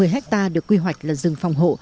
một mươi hectare được quy hoạch là rừng phòng hộ